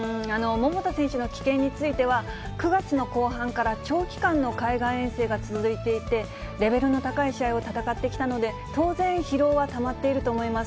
桃田選手の棄権については、９月の後半から、長期間の海外遠征が続いていて、レベルの高い試合を戦ってきたので、当然疲労はたまっていると思います。